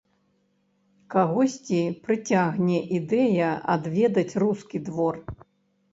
Кагосьці прыцягне ідэя адведаць рускі двор.